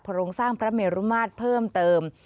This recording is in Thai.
โรงสร้างพระเมรุมาตรเพิ่มเติม